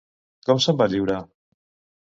Com se'n van lliurar?